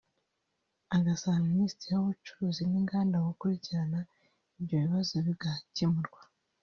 agasaba Minisitiri w’ ubucuruzi n’ inganda gukurikirana ibyo bibazo bigakemurwa